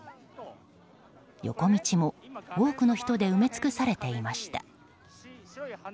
横道も多くの人で埋め尽くされていました。